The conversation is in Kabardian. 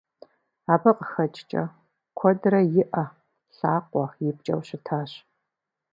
Абы къыхэкӏкӏэ, куэдрэ и ӏэ, лъакъуэ ипкӏэу щытащ.